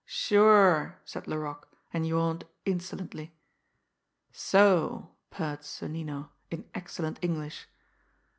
"Sure!" said Laroque and yawned insolently. "So!" purred Sonnino, in excellent English.